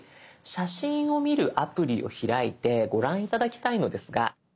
写真を見るアプリを開いてご覧頂きたいのですが。